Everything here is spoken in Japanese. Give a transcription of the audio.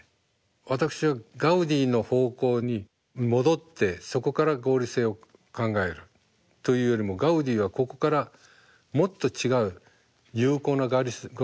私はガウディの方向に戻ってそこから合理性を考えるというよりもガウディはここからもっと違う有効な合理性を持っていた。